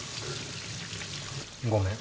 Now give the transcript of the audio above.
ごめん。